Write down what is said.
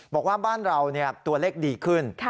บอกว่าบ้านเราตัวเลขดีขึ้น